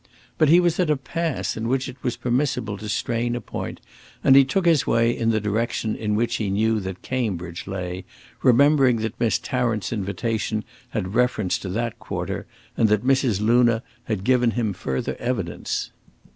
But he was at a pass in which it was permissible to strain a point, and he took his way in the direction in which he knew that Cambridge lay, remembering that Miss Tarrant's invitation had reference to that quarter and that Mrs. Luna had given him further evidence.